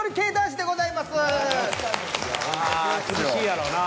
いや厳しいやろうな。